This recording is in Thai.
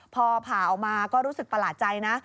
พอผ่าออกมาก็รู้สึกประหลาดใจนะ